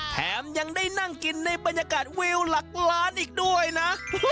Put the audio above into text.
แถมยังได้นั่งกินในบรรยากาศวิวหลักล้านอีกด้วยนะ